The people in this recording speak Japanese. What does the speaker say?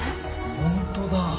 本当だ。